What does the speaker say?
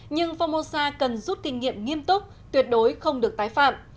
nhưng formosa cần rút kinh nghiệm nghiêm túc tuyệt đối không được tái phạm